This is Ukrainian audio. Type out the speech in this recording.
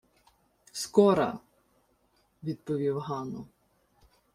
— Скора, — відповів Гано.